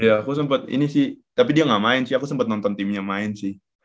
ya aku sempat ini sih tapi dia gak main sih aku sempat nonton timnya main sih